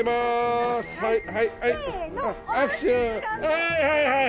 はーいはいはい。